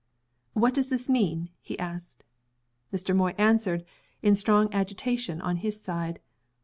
"What does this mean?" he asked. Mr. Moy answered, in strong agitation on his side.